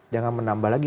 jangan menambah lagi